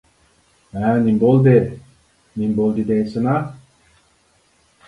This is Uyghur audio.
-ھە. نېمە بولدى؟ -نېمە بولدى دەيسىنا؟ !